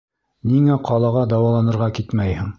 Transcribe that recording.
Ниңә ҡалаға дауаланырға китмәйһең?